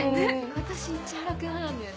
私市原君派なんだよね。